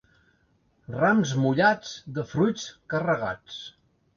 Rams mullats, de fruits carregats.